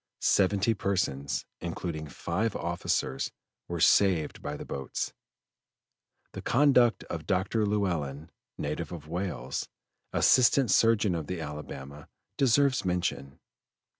Seventy persons, including five officers, were saved by the boats. The conduct of Dr. Llewellyn, native of Wales, Assistant Surgeon of the Alabama, deserves mention.